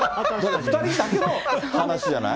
２人だけの話じゃない。